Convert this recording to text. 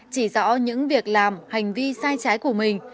chỉ rõ những việc làm hành vi sai trái của mình